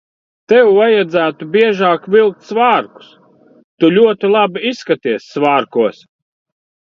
Tev vajadzētu biežāk vilkt svārkus. Tu ļoti labi izskaties svārkos.